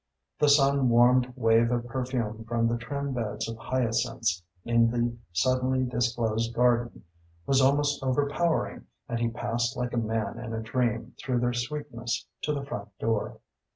The sun warmed wave of perfume from the trim beds of hyacinths in the suddenly disclosed garden was almost overpowering and he passed like a man in a dream through their sweetness to the front door.